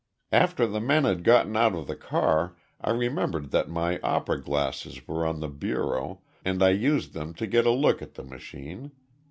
"After the men had gotten out of the car I remembered that my opera glasses were on the bureau and I used them to get a look at the machine.